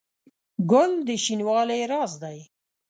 ګل د شینوالي راز دی.